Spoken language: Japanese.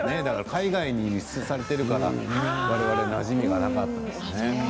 海外に輸出されてるから我々になじみがなかったんですね。